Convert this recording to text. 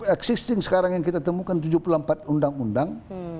existing sekarang yang kita temukan tujuh puluh empat undang undang